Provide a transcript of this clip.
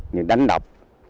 những đánh độc